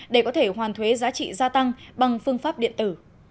để có thể hoàn thuế giá trị gia tăng bằng phương pháp điện tử